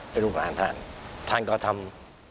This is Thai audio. ลูกหลานท่านท่านก็ทำ